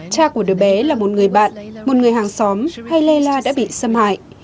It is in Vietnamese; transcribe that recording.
cha của đứa bé là một người bạn một người hàng xóm hay layla đã bị xâm hại